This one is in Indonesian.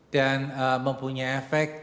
dan mempunyai efek